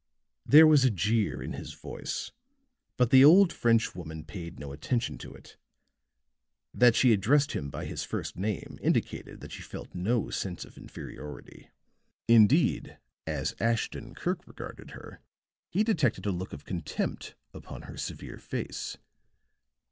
There was a jeer in his voice, but the old French woman paid no attention to it. That she addressed him by his first name indicated that she felt no sense of inferiority. Indeed, as Ashton Kirk regarded her, he detected a look of contempt upon her severe face.